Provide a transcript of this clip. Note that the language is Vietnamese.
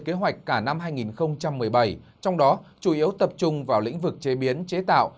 kế hoạch cả năm hai nghìn một mươi bảy trong đó chủ yếu tập trung vào lĩnh vực chế biến chế tạo